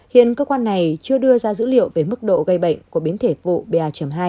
hiện cơ quan này chưa đưa ra dữ liệu về mức độ gây bệnh của biến thể vụ ba hai